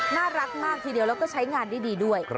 น่ารักมากทีเดียวแล้วก็ใช้งานได้ดีด้วย